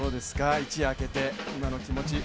一夜明けて今の気持ち。